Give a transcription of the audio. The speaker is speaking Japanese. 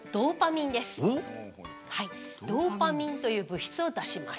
ドーパミンという物質を出します。